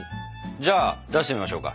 じゃあ出してみましょうか。